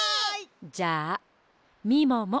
じゃあみもも。